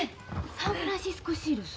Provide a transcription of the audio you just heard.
サンフランシスコ・シールズ？